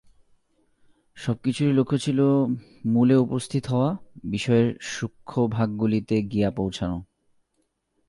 সব-কিছুরই লক্ষ্য ছিল মূলে উপস্থিত হওয়া, বিষয়ের সূক্ষ্মভাগগুলিতে গিয়া পৌঁছানো।